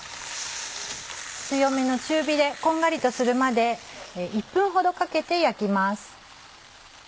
強めの中火でこんがりとするまで１分ほどかけて焼きます。